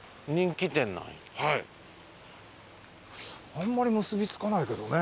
あんまり結び付かないけどね